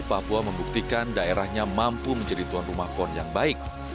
papua membuktikan daerahnya mampu menjadi tuan rumah pon yang baik